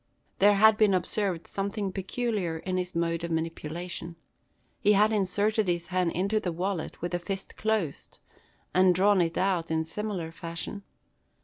There had been observed something peculiar in his mode of manipulation. He had inserted his hand into the wallet with the fist closed; and had drawn it out in similar fashion.